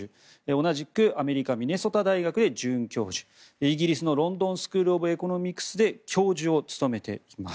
同じくアメリカミネソタ大学で准教授イギリスのロンドン・スクール・オブ・エコノミクスで教授を務めています。